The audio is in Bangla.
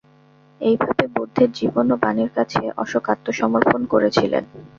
এইভাবে বুদ্ধের জীবন ও বাণীর কাছে অশোক আত্মসমর্পণ করেছিলেন।